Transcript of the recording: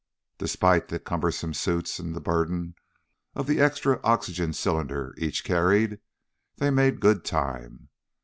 Despite the cumbersome suits and the burden of the extra oxygen cylinder each carried, they made good time.